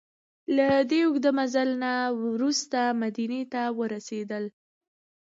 له دې اوږده مزل نه وروسته مدینې ته ورسېدل.